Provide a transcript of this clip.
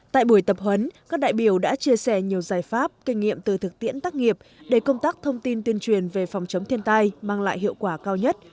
tại buổi tập huấn các đại biểu đã chia sẻ nhiều giải pháp kinh nghiệm từ thực tiễn tác nghiệp để công tác thông tin tuyên truyền về phòng chống thiên tai mang lại hiệu quả cao nhất